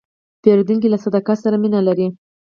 پیرودونکی له صداقت سره مینه لري.